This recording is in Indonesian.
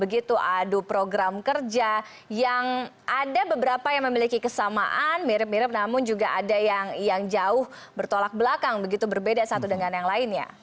begitu adu program kerja yang ada beberapa yang memiliki kesamaan mirip mirip namun juga ada yang jauh bertolak belakang begitu berbeda satu dengan yang lainnya